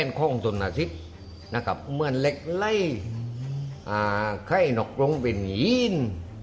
เป็นข้องส่วนอาทิตย์นะครับเมื่อเล็กไล่อ่าไข้นกลงเป็นหี้น